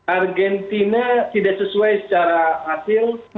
argentina tidak sesuai secara hasil